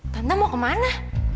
tante mau ke mana